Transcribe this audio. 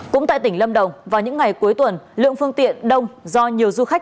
cũng tại tỉnh lâm đồng vào những ngày cuối tuần lượng phương tiện đông do nhiều du khách